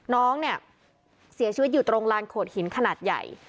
น้องเนี่ยเสียชีวิตอยู่ตรงลานโขดหินขนาดใหญ่